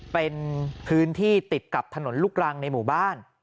เป็นพื้นที่ติดกับถนนลูกรังในหมู่บ้าน